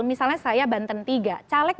misalnya saya banten tiga caleg